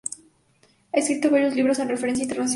Ha escrito varios libros de referencia internacional.